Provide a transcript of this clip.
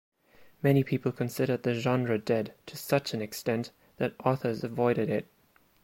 Many people considered the genre dead to such an extent that authors avoided it.